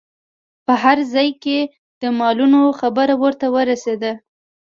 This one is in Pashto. په هر ځای کې د مالونو خبر ورته ورسید.